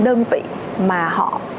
đơn vị mà họ